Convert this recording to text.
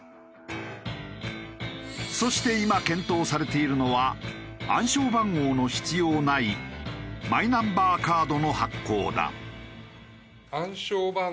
そして今検討されているのは暗証番号の必要ないマイナンバーカードの発行だ。